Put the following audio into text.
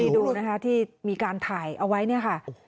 ดูนะคะที่มีการถ่ายเอาไว้เนี่ยค่ะ